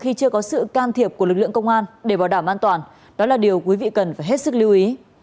khi chưa có sự can thiệp của lực lượng công an để bảo đảm an toàn đó là điều quý vị cần phải hết sức lưu ý